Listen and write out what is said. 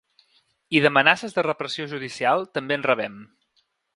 I d’amenaces de repressió judicial, també en rebem.